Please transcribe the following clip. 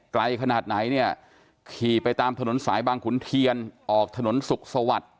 ไกลขนาดไหนเนี่ยขี่ไปตามถนนสายบางขุนเทียนออกถนนสุขสวัสดิ์